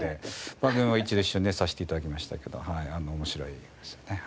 番組も一度一緒にねさせて頂きましたけど面白いですね。